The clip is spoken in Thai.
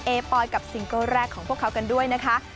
ปอยกับซิงเกิลแรกของพวกเขากันด้วยนะคะ